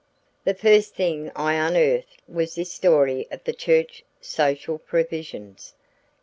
"The first thing I unearthed was this story of the church social provisions.